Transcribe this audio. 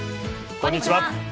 こんにちは。